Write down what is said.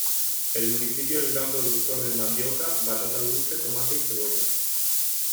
El municipio es gran productor de mandioca, batata dulce, tomate y cebolla.